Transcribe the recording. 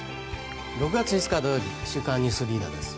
６月５日、土曜日「週刊ニュースリーダー」です。